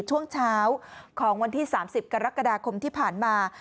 ช่วงเช้าของวันที่๓๐กรกฎาคมที่ผ่านมา